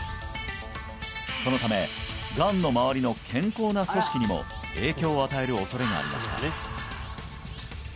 そのためがんのまわりの健康な組織にも影響を与える恐れがありました